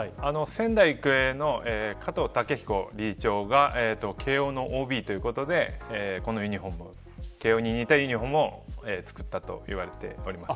仙台育英の加藤雄彦理事長が慶応のＯＢということでこのユニホーム慶応に似たユニホームを作ったと言われています。